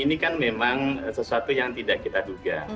ini kan memang sesuatu yang tidak kita duga